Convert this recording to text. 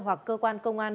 hoặc cơ quan công an